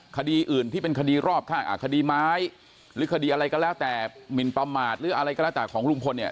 คดีอื่นที่เป็นคดีรอบข้างคดีไม้หรือคดีอะไรก็แล้วแต่หมินประมาทหรืออะไรก็แล้วแต่ของลุงพลเนี่ย